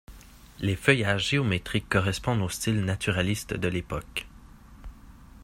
Les feuillages géométriques correspondent au style naturaliste de l'époque.